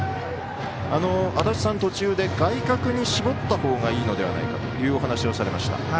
足達さん、途中で外角に絞ったほうがいいのではないかというお話をされました。